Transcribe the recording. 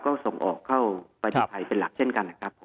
ก็ส่งออกเข้าประเทศไทยเป็นหลักเช่นกันนะครับ